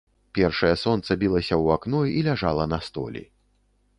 Першае сонца білася ў акно і ляжала на столі.